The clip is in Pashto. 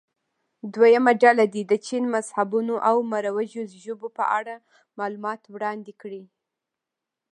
دویمه ډله دې د چین مذهبونو او مروجو ژبو په اړه معلومات وړاندې کړي.